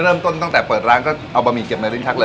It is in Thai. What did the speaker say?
ตั้งแต่เปิดร้านก็เอาบะหมี่เก็บในลิ้นชักเลย